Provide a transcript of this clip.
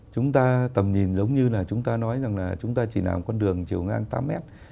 chúng ta tầm nhìn giống như là chúng ta nói rằng là chúng ta chỉ làm con đường chiều ngang tám mét